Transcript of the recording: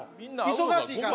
忙しいから。